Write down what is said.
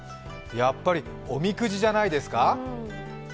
やっぱりおみくじじゃないですか？